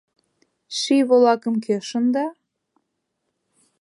Ший волакым кӧ шында?